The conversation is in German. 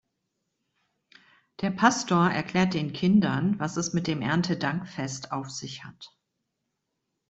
Der Pastor erklärt den Kindern, was es mit dem Erntedankfest auf sich hat.